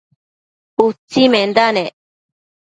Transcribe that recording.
utsimenda nec